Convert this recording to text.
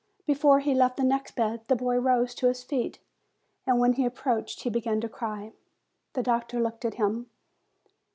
Before he left the next bed the boy rose to his feet, and when he approached he began to cry. The doctor looked at him.